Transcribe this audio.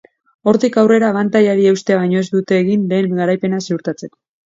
Hortik aurrera abantailari eustea baino ez dute egin lehen garaipena ziurtatzeko.